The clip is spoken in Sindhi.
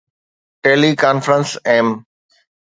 tele conference M